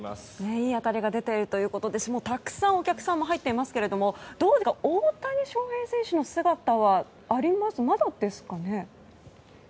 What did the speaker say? いい当たりが出ているということでたくさんお客さんも入っていますけども大谷翔平選手の姿はまだですかね？